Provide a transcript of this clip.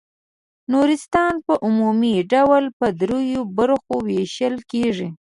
نورستان په عمومي ډول په دریو برخو وېشل کیږي.